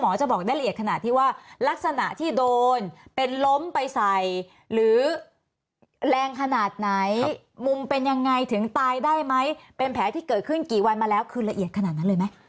จะบอกได้ละเอียดขนาดที่ว่าลักษณะที่โดนเป็นล้มไปใส่หรือแรงขนาดไหนมุมเป็นยังไงถึงตายได้ไหมเป็นแผลที่เกิดขึ้นกี่วันมาแล้วคือละเอียดขนาดนั้นเลยไหม